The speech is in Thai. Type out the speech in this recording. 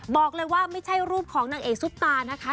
บอกเลยว่าไม่ใช่รูปของนางเอกซุปตานะคะ